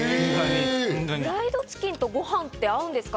フライドチキンとごはんって合うんですか？